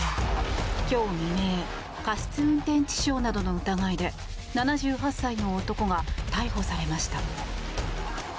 今日未明過失運転致傷などの疑いで７８歳の男が逮捕されました。